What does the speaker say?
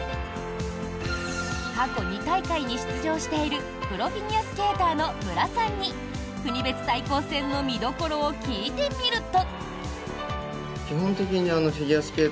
過去２大会に出場しているプロフィギュアスケーターの無良さんに国別対抗戦の見どころを聞いてみると。